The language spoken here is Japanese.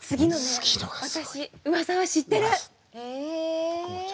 私うわさは知ってる！へえ！